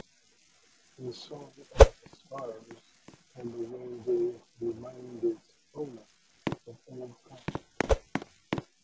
A song of scars and the way they remind its owner of old times.